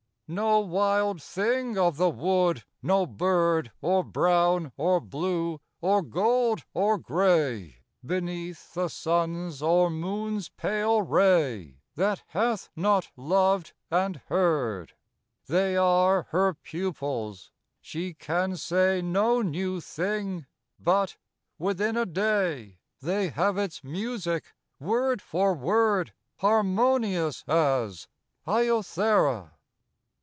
No wild thing of the wood, no bird, Or brown or blue, or gold or gray, Beneath the sun's or moon's pale ray, That hath not loved and heard; They are her pupils; she can say No new thing but, within a day, They have its music, word for word, Harmonious as Iothera.